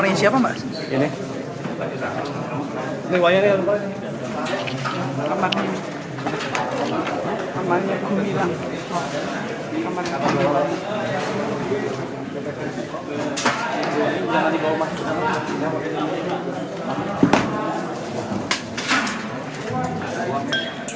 ini saya akan menunjukkan